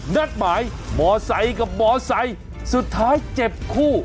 นัดหมายหมอไสกับหมอไสสุดท้ายเจ็บคู่